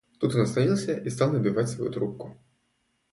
Тут он остановился и стал набивать свою трубку.